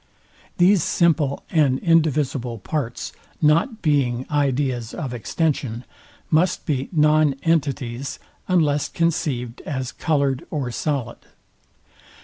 These simple and indivisible parts, not being ideas of extension, must be non entities, unless conceived as coloured or solid.